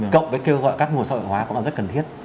cộng với kêu gọi các nguồn sợi hóa cũng là rất cần thiết